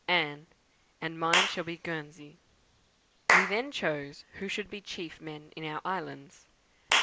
"Anne. 'And mine shall be Guernsey.' "We then chose who should be chief men in our islands.